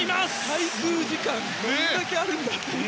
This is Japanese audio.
滞空時間どんだけあるんだろう。